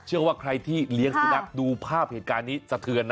เชื่อว่าใครที่เลี้ยงสุนัขดูภาพเหตุการณ์นี้สะเทือน